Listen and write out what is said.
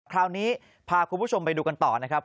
คราวนี้พาคุณผู้ชมไปดูกันต่อนะครับ